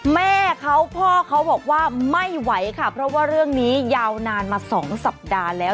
แม่เขาพ่อเขาบอกว่าไม่ไหวค่ะเพราะว่าเรื่องนี้ยาวนานมา๒สัปดาห์แล้ว